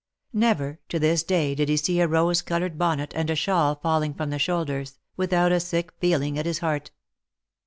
Never to this day did he see a rose colored bonnet and a shawl falling from the shoulders, without a sick feeling at his heart.